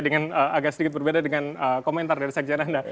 dengan agak sedikit berbeda dengan komentar dari sekjen anda